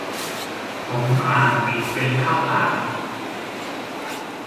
ผมอ่านผิดเป็นข้าวสาร